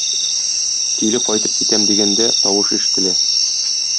Тиле кайтып китәм дигәндә, тавыш ишетә.